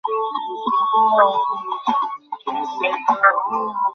Sir, এটাই সত্য।